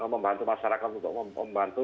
membantu masyarakat untuk membantu